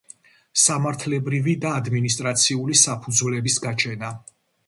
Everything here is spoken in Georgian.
სამართლებრივი და ადმინისტრაციული საფუძვლების გაჩენა